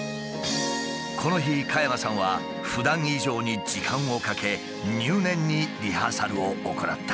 この日加山さんはふだん以上に時間をかけ入念にリハーサルを行った。